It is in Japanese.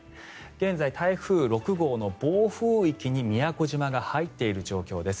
現在、台風６号の暴風域に宮古島が入っている状況です。